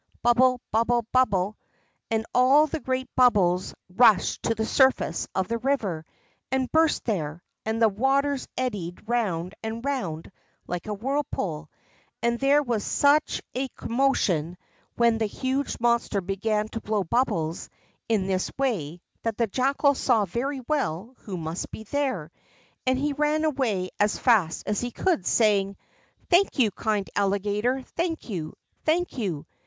Bubble, bubble, bubble!" and all the great bubbles rushed to the surface of the river and burst there, and the waters eddied round and round like a whirlpool; and there was such a commotion when the huge monster began to blow bubbles in this way that the Jackal saw very well who must be there, and he ran away as fast as he could, saying: "Thank you, kind Alligator, thank you; thank you!